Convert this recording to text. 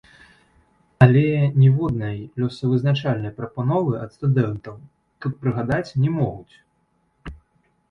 Але ніводнай лёсавызначальнай прапановы ад студэнтаў тут прыгадаць не могуць.